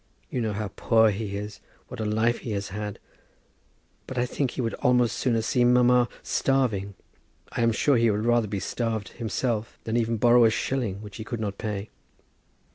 You know how poor he is; what a life he has had! But I think he would almost sooner see mamma starving; I am sure he would rather be starved himself, than even borrow a shilling which he could not pay.